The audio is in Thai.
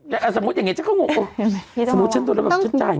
โหอย่างเนี้ยฉันเชาะโง่